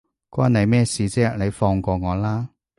關你咩事啫，你放過我啦